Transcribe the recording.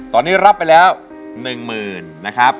ตอนนี้รับไปแล้ว๑หมื่นนะครับ